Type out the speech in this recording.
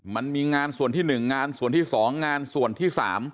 มันมีงานส่วนที่๑งานส่วนที่๒งานส่วนที่๓